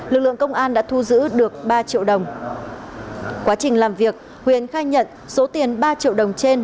lực lượng công an đã thu giữ được ba triệu đồng quá trình làm việc huyền khai nhận số tiền ba triệu đồng trên